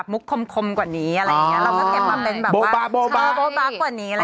มุ่งคมกว่านี้เราก็เก็บมาเป็น